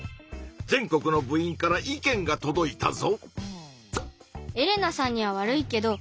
全国の部員から意見がとどいたぞ！